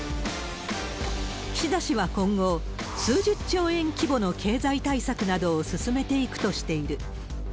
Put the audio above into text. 岸田氏は今後、数十兆円規模の経済対策などを進めていくとしている。